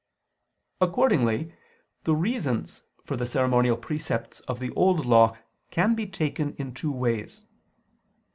Accordingly the reasons for the ceremonial precepts of the Old Law can be taken in two ways.